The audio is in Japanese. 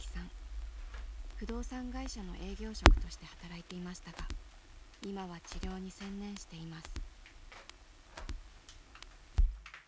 不動産会社の営業職として働いていましたが今は治療に専念しています。